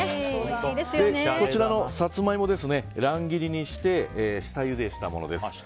こちらのサツマイモ乱切りにして下ゆでしたものです。